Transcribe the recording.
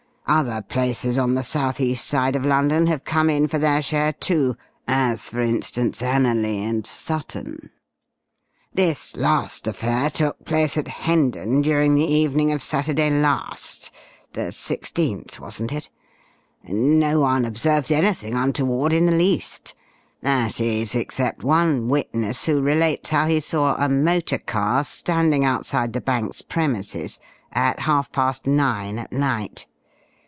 Other places on the South East side of London have come in for their share, too, as for instance Anerley and Sutton. This last affair took place at Hendon, during the evening of Saturday last the sixteenth, wasn't it? No one observed anything untoward in the least, that is except one witness who relates how he saw a motor car standing outside the bank's premises at half past nine at night.